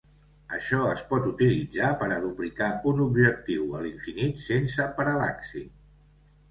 Això es pot utilitzar per a duplicar un objectiu a l'infinit sense paral·laxi.